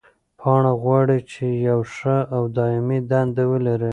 پاڼه غواړي چې یوه ښه او دایمي دنده ولري.